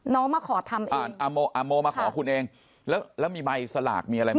มาขอทำเองอ่าโมอาโมมาขอคุณเองแล้วแล้วมีใบสลากมีอะไรไหม